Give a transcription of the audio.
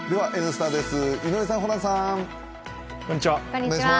「Ｎスタ」です、井上さん、ホランさん。